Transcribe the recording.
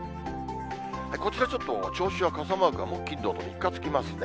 こちらちょっと、銚子は傘マークが木、金、土と３日つきますね。